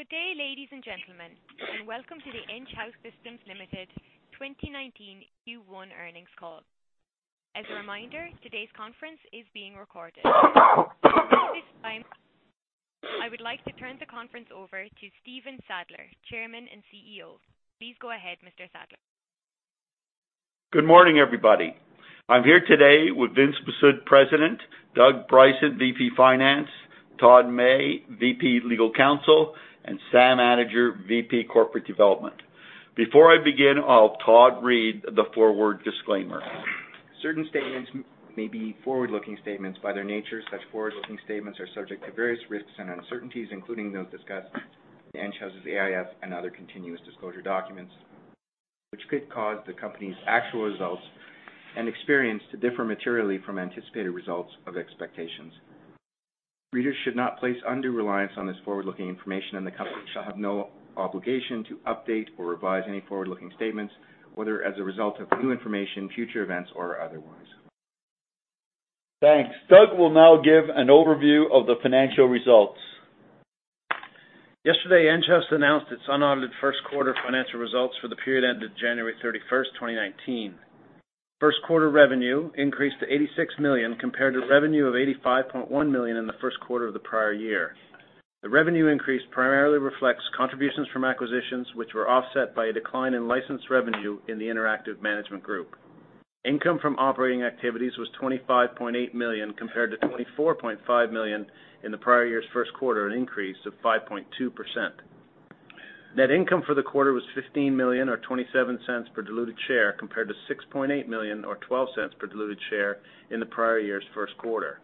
Good day, ladies and gentlemen, and welcome to the Enghouse Systems Limited 2019 Q1 earnings call. As a reminder, today's conference is being recorded. At this time, I would like to turn the conference over to Stephen Sadler, Chairman and CEO. Please go ahead, Mr. Sadler. Good morning, everybody. I'm here today with Vince Mifsud, President, Doug Bryson, VP Finance, Todd May, VP Legal Counsel, and Sam Anidjar, VP Corporate Development. Before I begin, I'll have Todd read the forward disclaimer. Certain statements may be forward-looking statements by their nature. Such forward-looking statements are subject to various risks and uncertainties, including those discussed in Enghouse's AIF and other continuous disclosure documents, which could cause the company's actual results and experience to differ materially from anticipated results of expectations. Readers should not place undue reliance on this forward-looking information, and the company shall have no obligation to update or revise any forward-looking statements, whether as a result of new information, future events, or otherwise. Thanks. Doug will now give an overview of the financial results. Yesterday, Enghouse announced its unaudited first quarter financial results for the period ended January 31st, 2019. First quarter revenue increased to 86 million compared to revenue of 85.1 million in the first quarter of the prior year. The revenue increase primarily reflects contributions from acquisitions, which were offset by a decline in license revenue in the Interactive Management Group. Income from operating activities was 25.8 million compared to 24.5 million in the prior year's first quarter, an increase of 5.2%. Net income for the quarter was 15 million, or 0.27 per diluted share, compared to 6.8 million or 0.12 per diluted share in the prior year's first quarter.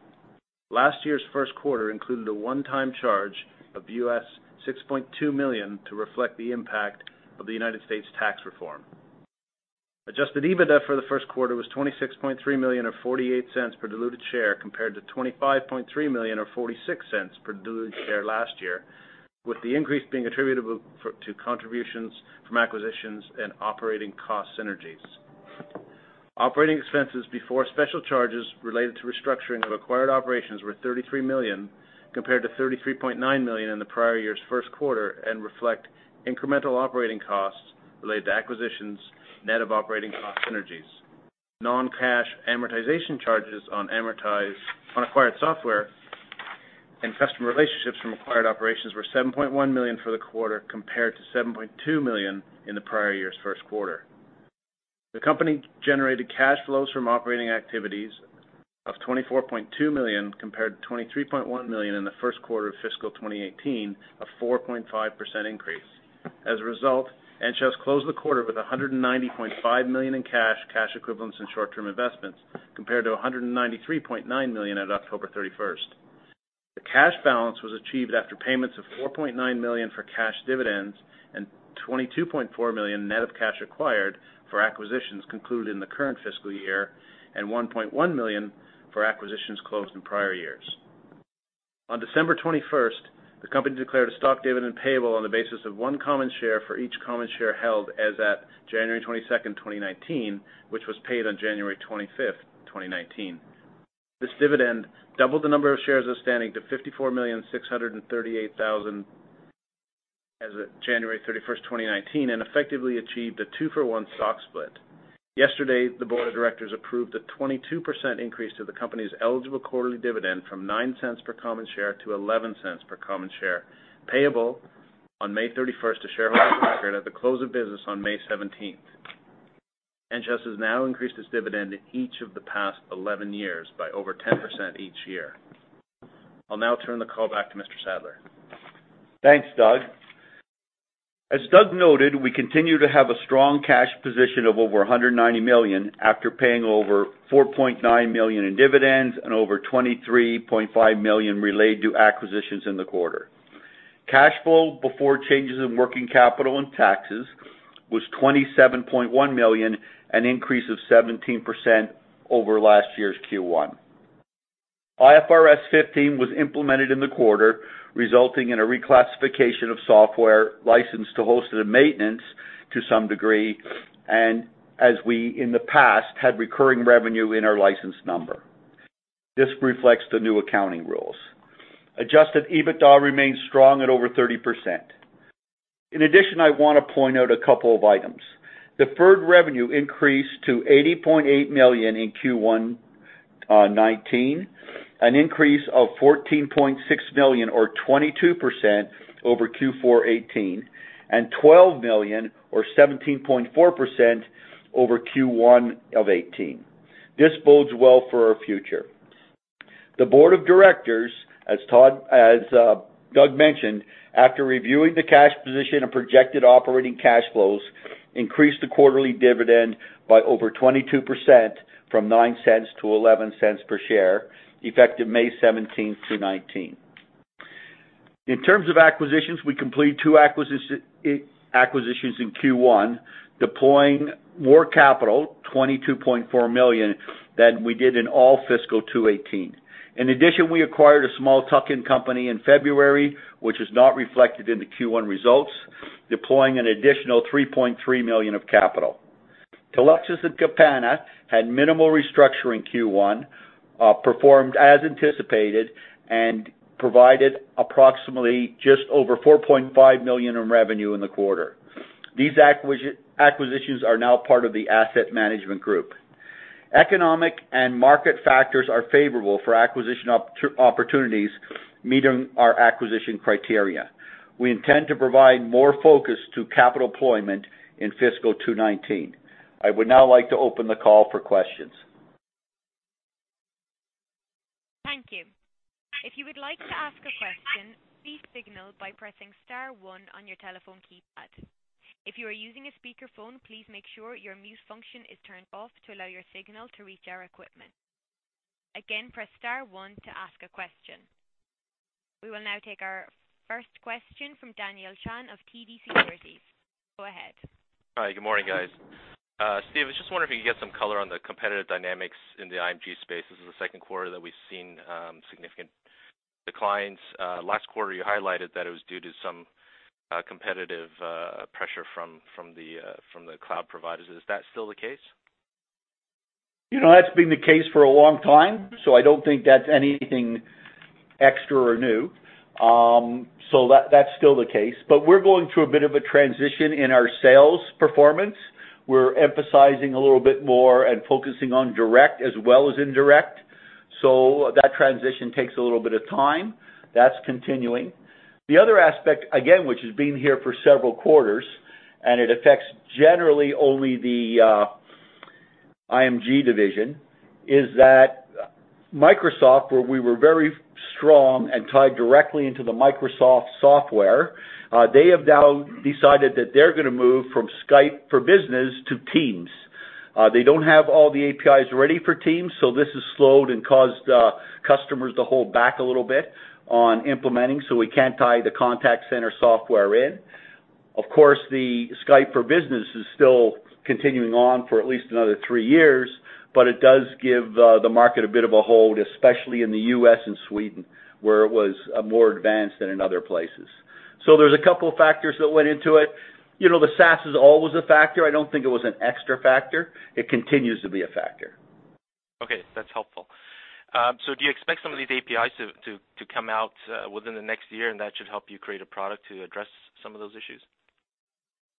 Last year's first quarter included a one-time charge of $6.2 million to reflect the impact of the United States tax reform. Adjusted EBITDA for the first quarter was 26.3 million, or 0.48 per diluted share, compared to 25.3 million or 0.46 per diluted share last year, with the increase being attributable to contributions from acquisitions and operating cost synergies. Operating expenses before special charges related to restructuring of acquired operations were 33 million, compared to 33.9 million in the prior year's first quarter and reflect incremental operating costs related to acquisitions, net of operating cost synergies. Non-cash amortization charges on acquired software and customer relationships from acquired operations were 7.1 million for the quarter, compared to 7.2 million in the prior year's first quarter. The company generated cash flows from operating activities of 24.2 million, compared to 23.1 million in the first quarter of fiscal 2018, a 4.5% increase. As a result, Enghouse closed the quarter with 190.5 million in cash equivalents, and short-term investments, compared to 193.9 million at October 31st. The cash balance was achieved after payments of 4.9 million for cash dividends and 22.4 million net of cash acquired for acquisitions concluded in the current fiscal year and 1.1 million for acquisitions closed in prior years. On December 21st, the company declared a stock dividend payable on the basis of one common share for each common share held as at January 22nd, 2019, which was paid on January 25th, 2019. This dividend doubled the number of shares outstanding to 54,638,000 as of January 31st, 2019, and effectively achieved a two-for-one stock split. Yesterday, the board of directors approved a 22% increase to the company's eligible quarterly dividend from 0.09 per common share to 0.11 per common share, payable on May 31st to shareholders of record at the close of business on May 17th. Enghouse has now increased its dividend in each of the past 11 years by over 10% each year. I'll now turn the call back to Mr. Sadler. Thanks, Doug. As Doug noted, we continue to have a strong cash position of over 190 million after paying over 4.9 million in dividends and over 23.5 million related to acquisitions in the quarter. Cash flow before changes in working capital and taxes was 27.1 million, an increase of 17% over last year's Q1. IFRS 15 was implemented in the quarter, resulting in a reclassification of software licensed to hosted and maintenance to some degree, and as we in the past had recurring revenue in our license number. This reflects the new accounting rules. Adjusted EBITDA remains strong at over 30%. I want to point out a couple of items. Deferred revenue increased to 80.8 million in Q1 2019, an increase of 14.6 million or 22% over Q4 2018, and 12 million or 17.4% over Q1 of 2018. This bodes well for our future. The board of directors, as Doug mentioned, after reviewing the cash position and projected operating cash flows, increased the quarterly dividend by over 22%, from 0.09 to 0.11 per share, effective May 17th, 2019. We completed two acquisitions in Q1, deploying more capital, 22.4 million, than we did in all fiscal 2018. We acquired a small tuck-in company in February, which is not reflected in the Q1 results. Deploying an additional 3.3 million of capital. Telexis and Capana had minimal restructuring Q1, performed as anticipated, and provided approximately just over 4.5 million in revenue in the quarter. These acquisitions are now part of the Asset Management Group. Economic and market factors are favorable for acquisition opportunities meeting our acquisition criteria. We intend to provide more focus to capital deployment in fiscal 2019. I would now like to open the call for questions. Thank you. If you would like to ask a question, be signaled by pressing star one on your telephone keypad. If you are using a speakerphone, please make sure your mute function is turned off to allow your signal to reach our equipment. Press star one to ask a question. We will now take our first question from Daniel Chan of TD Securities. Go ahead. Hi, good morning, guys. Steve, I was just wondering if you could get some color on the competitive dynamics in the IMG space. This is the second quarter that we've seen significant declines. Last quarter, you highlighted that it was due to some competitive pressure from the cloud providers. Is that still the case? That's been the case for a long time, I don't think that's anything extra or new. That's still the case. We're going through a bit of a transition in our sales performance. We're emphasizing a little bit more and focusing on direct as well as indirect. That transition takes a little bit of time. That's continuing. The other aspect, again, which has been here for several quarters, and it affects generally only the IMG division, is that Microsoft, where we were very strong and tied directly into the Microsoft software, they have now decided that they're going to move from Skype for Business to Teams. They don't have all the APIs ready for Teams, this has slowed and caused customers to hold back a little bit on implementing, so we can't tie the contact center software in. Of course, the Skype for Business is still continuing on for at least another three years, but it does give the market a bit of a hold, especially in the U.S. and Sweden, where it was more advanced than in other places. There's a couple factors that went into it. The SaaS is always a factor. I don't think it was an extra factor. It continues to be a factor. Okay. That's helpful. Do you expect some of these APIs to come out within the next year, and that should help you create a product to address some of those issues?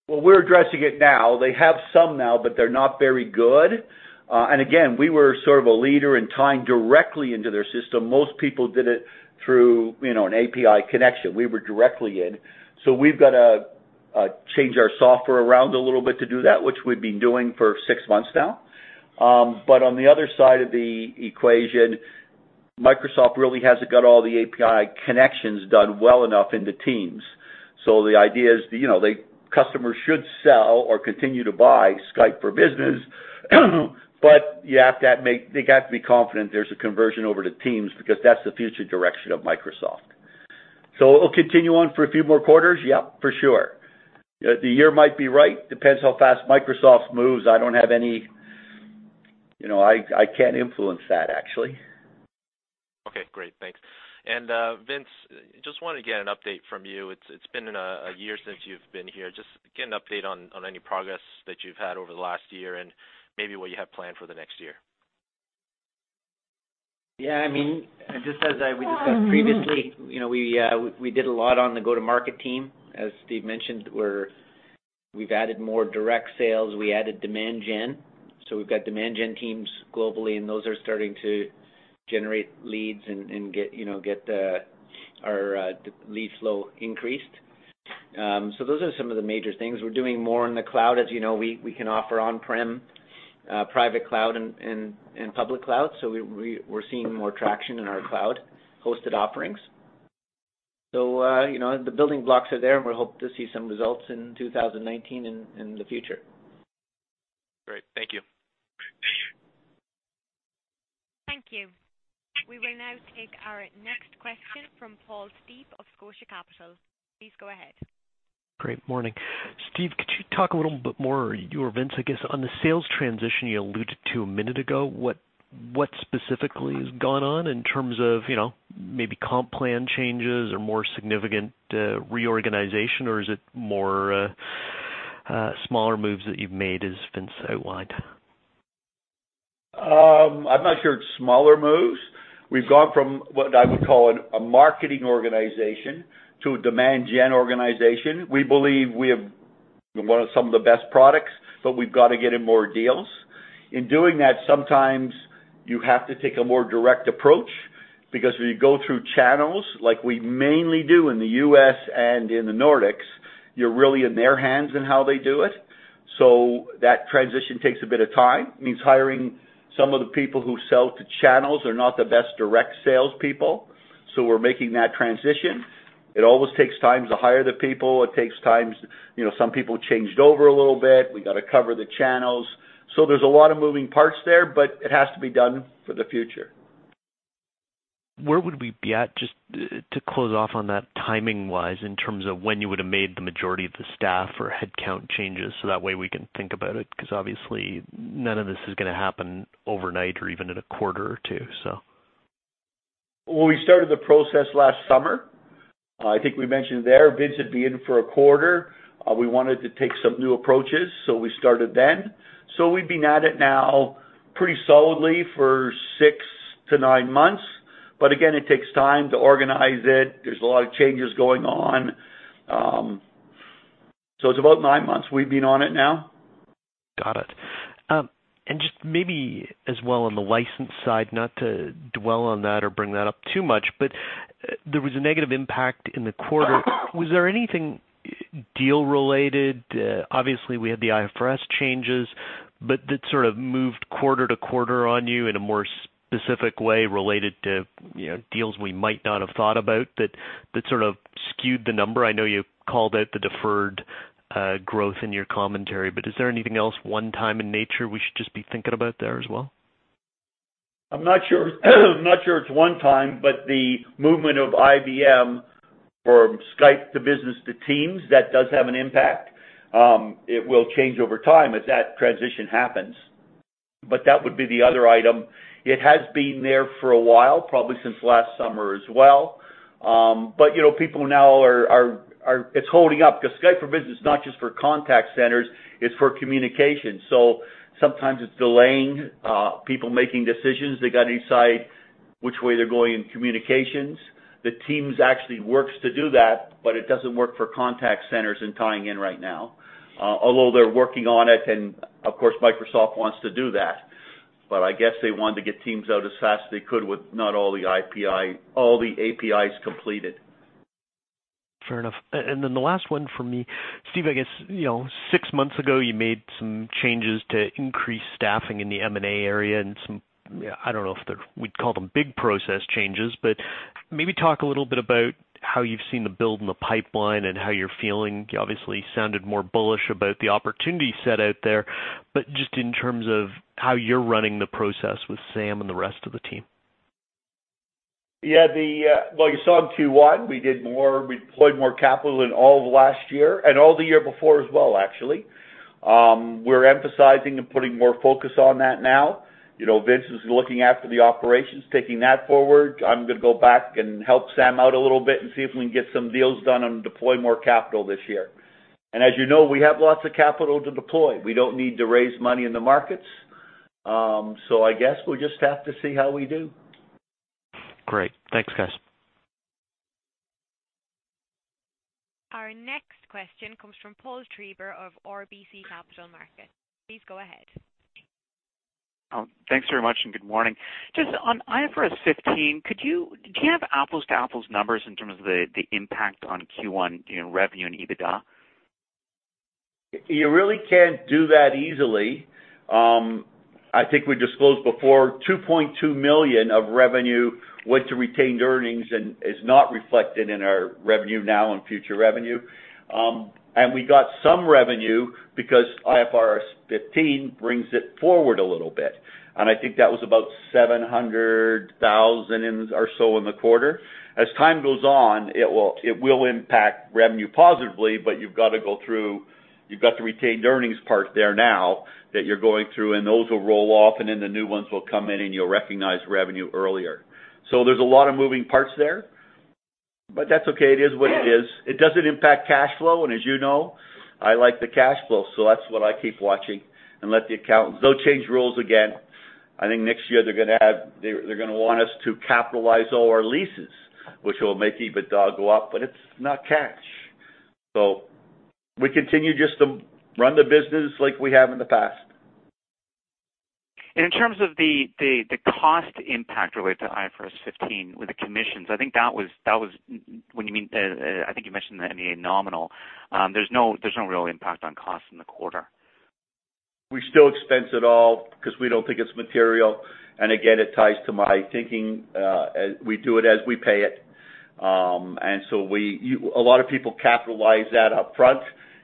Well, we're addressing it now. They have some now, but they're not very good. Again, we were sort of a leader in tying directly into their system. Most people did it through an API connection. We were directly in. We've got to change our software around a little bit to do that, which we've been doing for six months now. But on the other side of the equation, Microsoft really hasn't got all the API connections done well enough into Teams. The idea is the customer should sell or continue to buy Skype for Business, but they got to be confident there's a conversion over to Teams because that's the future direction of Microsoft. It'll continue on for a few more quarters? Yep, for sure. The year might be right. Depends how fast Microsoft moves. I can't influence that, actually. Okay, great. Thanks. Vince, just want to get an update from you. It has been a year since you have been here. Just get an update on any progress that you have had over the last year and maybe what you have planned for the next year. Just as we discussed previously, we did a lot on the go-to-market team. As Steve mentioned, we have added more direct sales. We added demand generation. We have got demand generation teams globally, and those are starting to generate leads and get our lead flow increased. Those are some of the major things. We are doing more in the cloud. As you know, we can offer on-prem private cloud and public cloud. We are seeing more traction in our cloud-hosted offerings. The building blocks are there, and we hope to see some results in 2019 in the future. Great. Thank you. Thank you. We will now take our next question from Paul Steep of Scotia Capital. Please go ahead. Great. Morning. Steve, could you talk a little bit more, you or Vince, I guess, on the sales transition you alluded to a minute ago? What specifically has gone on in terms of maybe comp plan changes or more significant reorganization, or is it more smaller moves that you've made, as Vince outlined? I'm not sure it's smaller moves. We've gone from what I would call a marketing organization to a demand generation organization. We believe we have some of the best products, but we've got to get in more deals. In doing that, sometimes you have to take a more direct approach because when you go through channels like we mainly do in the U.S. and in the Nordics, you're really in their hands in how they do it. That transition takes a bit of time. It means hiring some of the people who sell to channels are not the best direct salespeople. We're making that transition. It always takes time to hire the people. It takes time, some people changed over a little bit. We got to cover the channels. There's a lot of moving parts there, but it has to be done for the future. Where would we be at, just to close off on that timing-wise, in terms of when you would have made the majority of the staff or headcount changes? That way we can think about it, because obviously none of this is going to happen overnight or even in a quarter or two. Well, we started the process last summer. I think we mentioned there, Vince would be in for a quarter. We wanted to take some new approaches, we started then. We've been at it now pretty solidly for six to nine months. Again, it takes time to organize it. There's a lot of changes going on. It's about nine months we've been on it now. Got it. Just maybe as well on the license side, not to dwell on that or bring that up too much, but there was a negative impact in the quarter. Was there anything deal related? Obviously, we had the IFRS changes, but that sort of moved quarter-to-quarter on you in a more specific way related to deals we might not have thought about that sort of skewed the number. I know you called out the deferred growth in your commentary, but is there anything else one-time in nature we should just be thinking about there as well? I'm not sure. I'm not sure it's one-time, the movement of [IBM] from Skype for Business to Teams, that does have an impact. It will change over time as that transition happens. That would be the other item. It has been there for a while, probably since last summer as well. People now, it's holding up because Skype for Business is not just for contact centers, it's for communication. So sometimes it's delaying people making decisions. They got to decide which way they're going in communications. Teams actually works to do that, but it doesn't work for contact centers in tying in right now. Although they're working on it, and of course, Microsoft wants to do that. I guess they wanted to get Teams out as fast as they could with not all the APIs completed. Fair enough. Then the last one from me. Stephen, I guess, six months ago, you made some changes to increase staffing in the M&A area and some, I don't know if we'd call them big process changes. Maybe talk a little bit about how you've seen the build in the pipeline and how you're feeling. You obviously sounded more bullish about the opportunity set out there. Just in terms of how you're running the process with Sam and the rest of the team. You saw in Q1, we deployed more capital than all of last year and all the year before as well, actually. We're emphasizing and putting more focus on that now. Vince is looking after the operations, taking that forward. I'm going to go back and help Sam out a little bit and see if we can get some deals done and deploy more capital this year. As you know, we have lots of capital to deploy. We don't need to raise money in the markets. I guess we'll just have to see how we do. Great. Thanks, guys. Our next question comes from Paul Treiber of RBC Capital Markets. Please go ahead. Thanks very much, and good morning. Just on IFRS 15, do you have apples-to-apples numbers in terms of the impact on Q1 in revenue and EBITDA? You really can't do that easily. I think we disclosed before, 2.2 million of revenue went to retained earnings and is not reflected in our revenue now and future revenue. We got some revenue because IFRS 15 brings it forward a little bit, and I think that was about 700,000 or so in the quarter. As time goes on, it will impact revenue positively, but you've got the retained earnings part there now that you're going through, and those will roll off, and then the new ones will come in, and you'll recognize revenue earlier. There's a lot of moving parts there, but that's okay. It is what it is. It doesn't impact cash flow, and as you know, I like the cash flow. That's what I keep watching and let the accountants. They'll change rules again. I think next year they're going to want us to capitalize all our leases, which will make EBITDA go up, but it's not cash. We continue just to run the business like we have in the past. In terms of the cost impact related to IFRS 15 with the commissions, I think that was when you mean, I think you mentioned that nominal. There's no real impact on cost in the quarter. We still expense it all because we don't think it's material, and again, it ties to my thinking. We do it as we pay it. A lot of people capitalize that up front,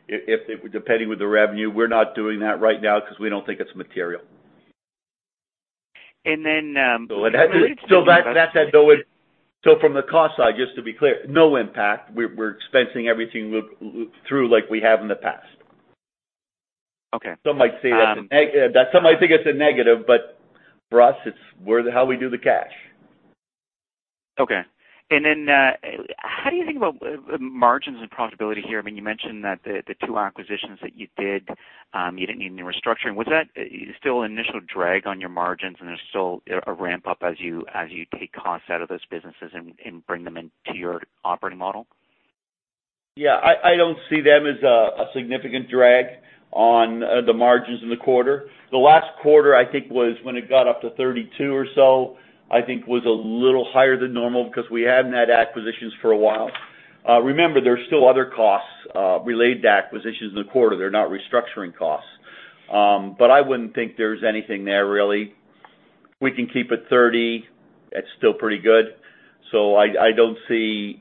depending with the revenue. We're not doing that right now because we don't think it's material. And then- From the cost side, just to be clear, no impact. We're expensing everything through like we have in the past. Okay. Some might think it's a negative, but for us, it's how we do the cash. Okay. How do you think about margins and profitability here? You mentioned that the two acquisitions that you did, you didn't need any restructuring. Was that still an initial drag on your margins and there's still a ramp-up as you take costs out of those businesses and bring them into your operating model? Yeah. I don't see them as a significant drag on the margins in the quarter. The last quarter, I think, was when it got up to 32 or so. I think was a little higher than normal because we hadn't had acquisitions for a while. Remember, there's still other costs related to acquisitions in the quarter. They're not restructuring costs. I wouldn't think there's anything there really. We can keep it 30. It's still pretty good. I wouldn't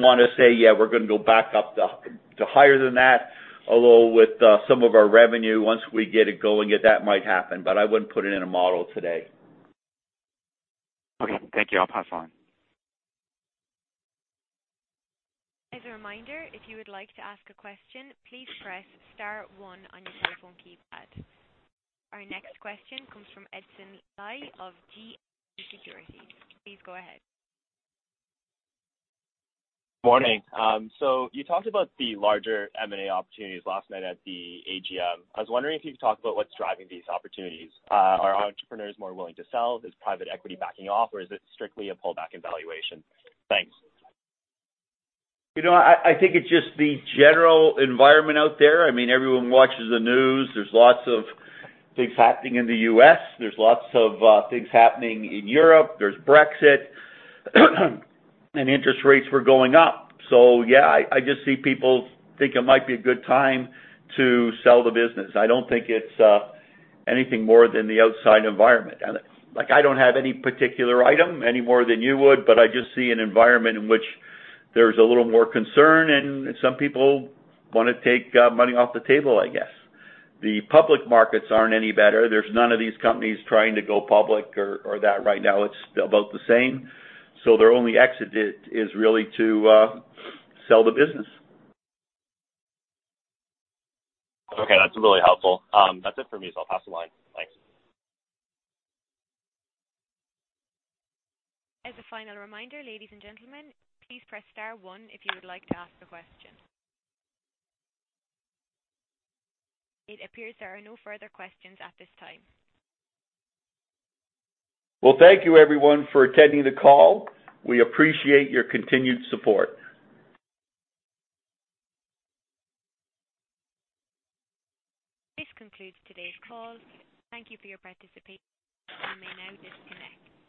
want to say, yeah, we're going to go back up to higher than that. Although with some of our revenue, once we get it going, yet that might happen, but I wouldn't put it in a model today. Okay. Thank you. I'll pass the line. As a reminder, if you would like to ask a question, please press star one on your telephone keypad. Our next question comes from Stephen Li of GS Securities. Please go ahead. Morning. You talked about the larger M&A opportunities last night at the AGM. I was wondering if you could talk about what's driving these opportunities. Are entrepreneurs more willing to sell? Is private equity backing off, or is it strictly a pullback in valuation? Thanks. I think it's just the general environment out there. Everyone watches the news. There's lots of things happening in the U.S. There's lots of things happening in Europe. There's Brexit. Interest rates were going up. Yeah, I just see people think it might be a good time to sell the business. I don't think it's anything more than the outside environment. I don't have any particular item, any more than you would, but I just see an environment in which there's a little more concern and some people want to take money off the table, I guess. The public markets aren't any better. There's none of these companies trying to go public or that right now it's about the same. Their only exit is really to sell the business. That's really helpful. That's it for me, so I'll pass the line. Thanks. As a final reminder, ladies and gentlemen, please press star one if you would like to ask a question. It appears there are no further questions at this time. Thank you, everyone, for attending the call. We appreciate your continued support. This concludes today's call. Thank you for your participation. You may now disconnect.